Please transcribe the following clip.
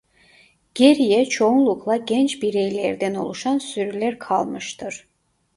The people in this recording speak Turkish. Geriye çoğunlukla genç bireylerden oluşan sürüler kalmıştır.